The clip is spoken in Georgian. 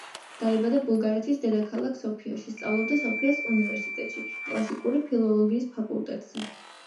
დაიბადა ბულგარეთის დედაქალაქ სოფიაში, სწავლობდა სოფიას უნივერსიტეტში კლასიკური ფილოლოგიის ფაკულტეტზე.